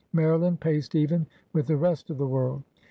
Maryland paced even with the rest of the world.